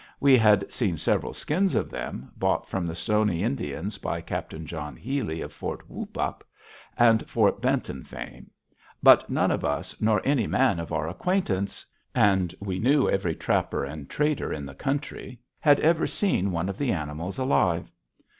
We had seen several skins of them, bought from the Stony Indians by Captain John Healy, of Fort Whoopup and Fort Benton fame, but none of us nor any man of our acquaintance and we knew every trapper and trader in the country had ever seen one of the animals alive.